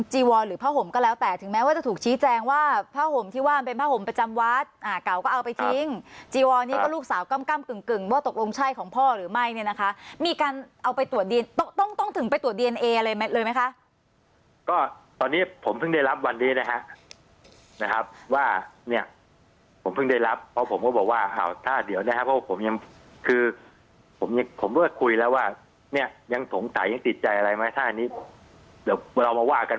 หรือผ้าห่มก็แล้วแต่ถึงแม้ว่าจะถูกชี้แจงว่าผ้าห่มที่ว่าเป็นผ้าห่มประจำวัดอ่าเก่าก็เอาไปทิ้งจีวอนนี้ก็ลูกสาวกล้ำกล้ำกึ่งว่าตกลงใช่ของพ่อหรือไม่เนี่ยนะคะมีการเอาไปตรวจต้องต้องถึงไปตรวจดีเอนเออะไรเลยไหมคะก็ตอนนี้ผมเพิ่งได้รับวันนี้นะครับนะครับว่าเนี่ยผมเพิ่งได้รับเพราะผมก็บอกว